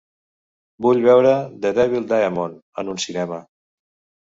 Vull veure The Devil Diamond en un cinema.